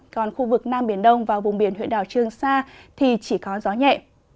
còn khu vực nam biển đông và vùng biển huyện đảo trương sa thì chỉ có gió nhẹ